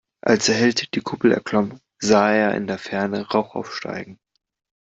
Als der Held die Kuppel erklomm, sah er in der Ferne Rauch aufsteigen.